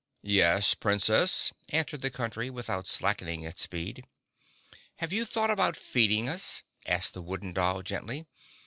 "Yes, Princess," answered the Country, without slackening its speed. "Have you thought about feeding us?" asked the Wooden Doll gently.